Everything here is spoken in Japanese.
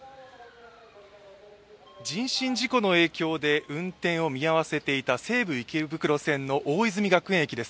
人身事故の影響で運転を見合わせていた西武池袋線の大泉学園駅です。